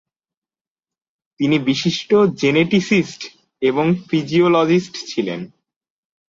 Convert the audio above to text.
তিনি বিশিষ্ট জেনেটিসিস্ট এবং ফিজিওলজিস্ট ছিলেন।